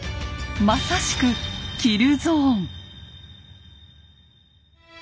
まさしくキルゾーン。